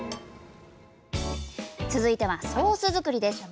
続いてはソース作りです。